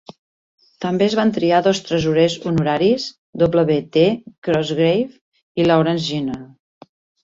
També es van triar dos tresorers honoraris, W. T. Cosgrave i Laurence Ginnell.